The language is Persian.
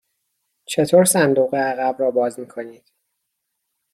چطور صندوق عقب را باز می کنید؟